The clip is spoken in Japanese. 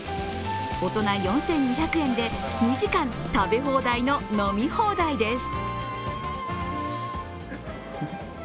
大人４２００円で、２時間食べ放題の飲み放題です。